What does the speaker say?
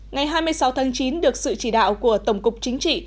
ngày hai mươi sáu tháng chín được sự chỉ đạo của tổng cục chính trị